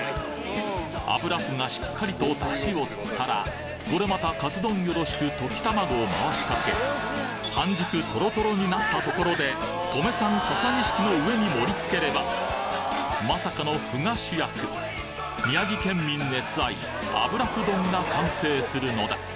油麩がしっかりとだしを吸ったらこれまたカツ丼よろしく溶き卵を回しかけ半熟とろとろになったところで登米産ササニシキの上に盛りつければまさかの麩が主役宮城県民熱愛油麩丼が完成するのだ